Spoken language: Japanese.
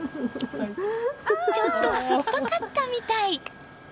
ちょっと酸っぱかったみたい。